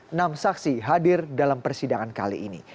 enam saksi hadir dalam persidangan kali ini